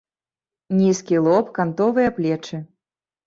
Нізкі лоб, кантовыя плечы.